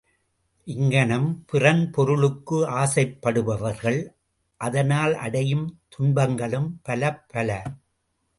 இங்ஙனம் பிறன் பொருளுக்கு ஆசைப்படுபவர்கள் அதனால் அடையும் துன்பங்களும் பலப்பல.